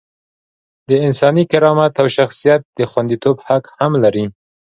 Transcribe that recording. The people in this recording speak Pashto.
د انساني کرامت او شخصیت د خونديتوب حق هم لري.